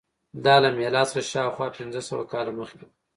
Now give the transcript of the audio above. دا له میلاد څخه شاوخوا پنځه سوه کاله مخکې وه.